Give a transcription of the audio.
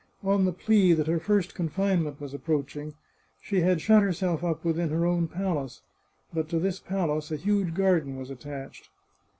On the plea that her first confinement was approaching, she had shut herself up within her own palace ; but to this palace a huge garden was attached.